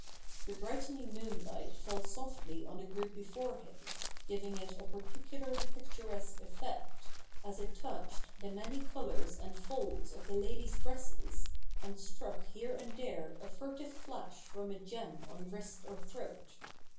The brightening moon light fell softly on the group before him, giving it a par ticularly picturesque effect, as it touched the many colours and folds of the ladies' dresses, and struck here and there a furtive flash from a gem on wrist or throat.